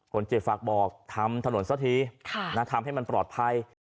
คนเจ็บฝากบอกทำถนนสักทีทำให้มันปลอดภัย